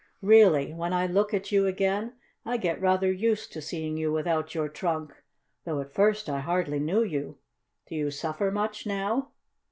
"Really, when I look at you again, I get rather used to seeing you without your trunk, though at first I hardly knew you. Do you suffer much now?"